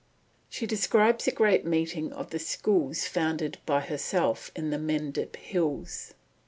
She describes a great meeting of the schools founded by herself in the Mendip Hills.